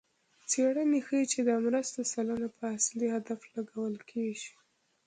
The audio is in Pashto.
څېړنې ښيي چې د مرستو سلنه په اصلي هدف لګول کېږي.